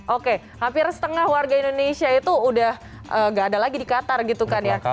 oke hampir setengah warga indonesia itu udah gak ada lagi di qatar gitu kan ya